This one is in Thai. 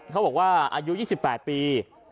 เขาบอกว่าอายุ๒๘ปี